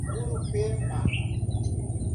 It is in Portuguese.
Urupema